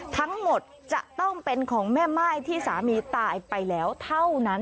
ทั้งหมดจะต้องเป็นของแม่ม่ายที่สามีตายไปแล้วเท่านั้น